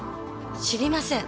知りません